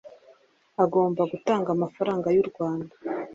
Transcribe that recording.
Agomba gutanga amafaranga y u rwanda